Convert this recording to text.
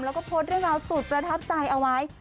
แล้วก็โพสต์เรื่องราวสุดประทับใจเอาไว้